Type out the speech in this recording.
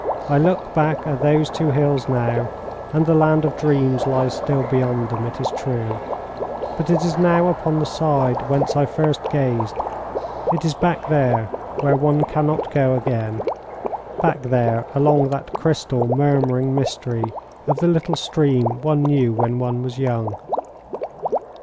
I look back at those two hills now, and the land of dreams lies still beyond them, it is true; but it is now upon the side whence I first gazed. It is back there, where one can not go again; back there, along that crystal, murmuring mystery of the little stream one knew when one was young!